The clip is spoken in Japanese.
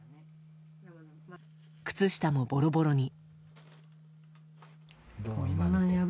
靴下もボロボロに。